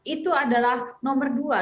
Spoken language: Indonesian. itu adalah nomor dua